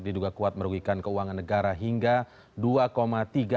dianggap sebagai kekuatan yang sangat penting